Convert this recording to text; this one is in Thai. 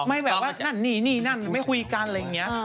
ไม่แบบว่านั่นนี่นี่นั่นไม่คุยกันอะไรอย่างนี้